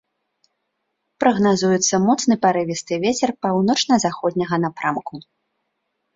Прагназуецца моцны парывісты вецер паўночна-заходняга напрамку.